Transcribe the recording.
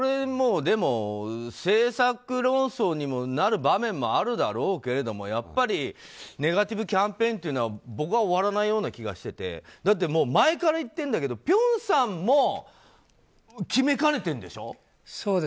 でも、政策論争になる場面もあるだろうけれどもやっぱりネガティブキャンペーンというのは僕は終わらないような気がしててだって前から言ってるんだけど辺さんも決めかねているんでしょう？